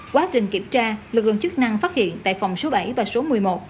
quá trình kiểm tra lực lượng chức năng phát hiện tại phòng số bảy và số một mươi một